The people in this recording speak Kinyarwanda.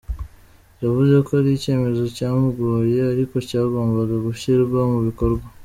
Yavuze ko ari icyemezo cyamugoye ariko cyagombaga gushyirwa mu bikorwa.